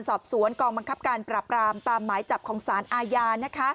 สอบสวนกองบังคับการปราบรามตามหมายจับของสารอาญา